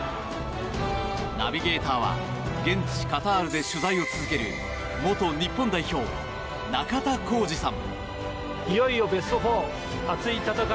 ナビゲーターは現地カタールで取材を続ける元日本代表・中田浩二さん！